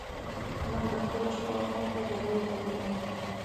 موږ د خپلو شخړو حل په جګړو کې وینو.